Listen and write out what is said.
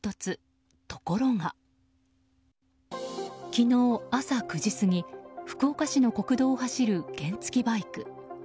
昨日、朝９時過ぎ福岡市の国道を走る原付きバイク。